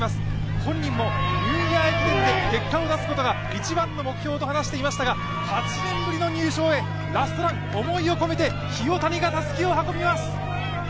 本人もニューイヤー駅伝で結果を出すことが一番の目標と話していましたが８年ぶりの入賞で、ラストラン、思いを込めて清谷がたすきを運びます。